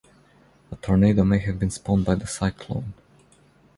A tornado may have been spawned by the cyclone.